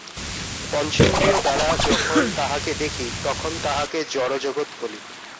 পঞ্চেন্দ্রিয় দ্বারা যখন তাঁহাকে দেখি, তখন তাঁহাকে জড়জগৎ বলি।